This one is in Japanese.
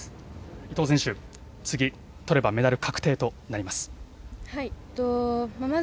伊藤選手、次取ればメダル確定となります。